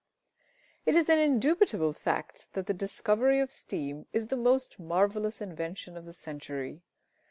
_ It is an indubitable fact that the discovery of steam is the most marvellous invention of the century.